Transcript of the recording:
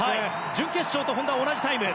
準決勝と本多は同じタイム。